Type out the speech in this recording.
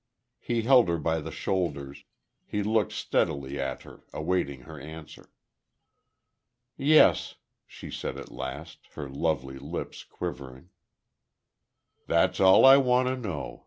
He held her by the shoulders, he looked steadily at her, awaiting her answer. "Yes," she said, at last, her lovely lips quivering. "That's all I want to know!"